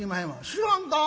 「知らんか？